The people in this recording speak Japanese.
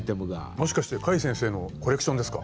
もしかして櫂先生のコレクションですか？